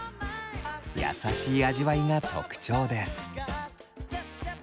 優しい味わいが特徴です。